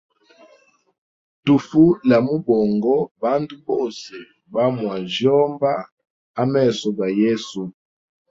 Tufu lya mubongo bandu bose ba mwajyomba a meso ga yesu.